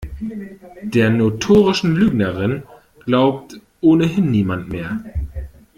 Der notorischen Lügnerin glaubt ohnehin niemand mehr.